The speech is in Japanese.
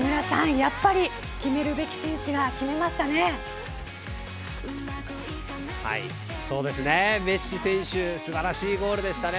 やっぱり決めるべき選手がそうですね。